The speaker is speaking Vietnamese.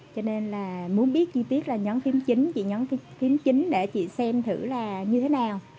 cho nên là muốn biết chi tiết là nhấn phím chín chị nhấn phím chín để chị xem thử là như thế nào